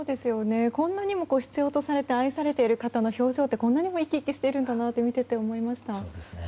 こんなにも必要とされて愛されている方の表情ってこんなにも生き生きしているんだなって見ていて思いました。